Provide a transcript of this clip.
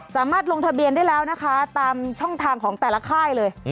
สามารถลงทะเบียนได้แล้วนะคะตามช่องทางของแต่ละค่ายเลย